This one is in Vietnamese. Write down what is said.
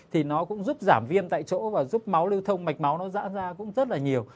thì nó cũng giúp giảm viêm tại chỗ và giúp máu lưu thông mạch máu nó dã ra cũng rất là nhiều